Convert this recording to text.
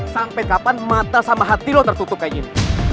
sampai kapan mata sama hati lo tertutup kayak gini